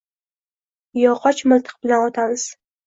Yog’och miltiq bilan otamiz